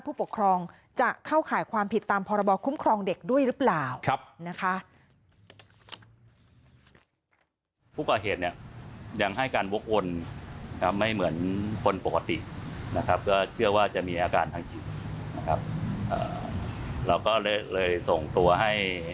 ผู้ปกครองจะเข้าข่ายความผิดตามพรบคุ้มครองเด็กด้วยหรือเปล่า